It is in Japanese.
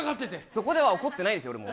そこでは怒ってないですよ、俺も。